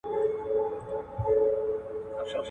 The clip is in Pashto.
د ټولنیزو ډلو پېژندل د دولت لپاره اړین دي.